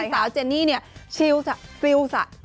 ที่สาวเจนี่ชิลซ่ะซิลซ่ะ